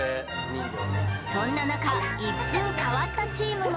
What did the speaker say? そんな中一風変わったチームも